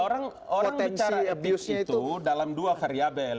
karena orang bicara ethics itu dalam dua variabel